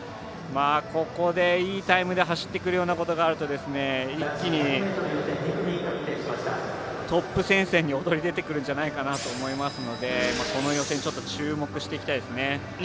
ここでいいタイムで走ってくるようなことがあると一気にトップ戦線に躍り出てくるんじゃないかと思いますので予選注目していきたいですね。